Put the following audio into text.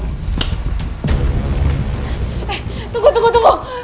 eh tunggu tunggu tunggu